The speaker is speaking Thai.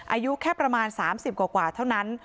อายุแค่ประมาณ๓๐กว่าเท่านั้น